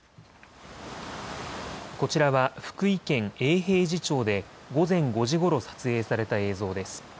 こちらは福井県永平寺町で午前５時ごろ撮影された映像です。